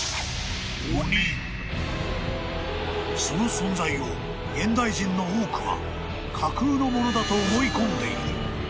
［その存在を現代人の多くは架空のものだと思い込んでいる］